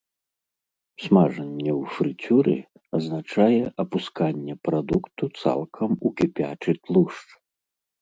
Смажанне ў фрыцюры азначае апусканне прадукту цалкам у кіпячы тлушч.